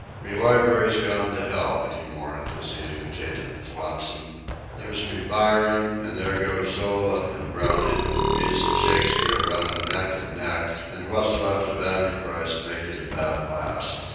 "Me library's gone to hell," he mourned as he indicated the flotsam. "There's me Byron. An' there goes Zola an' Browning with a piece of Shakespeare runnin' neck an' neck, an' what's left of Anti Christ makin' a bad last.